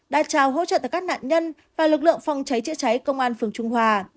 đã trao hỗ trợ tới các nạn nhân và lực lượng phòng cháy chữa cháy công an phường trung hòa